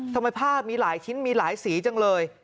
ทำไมผ้ามีหลายชิ้นมีหลายสีจังเลย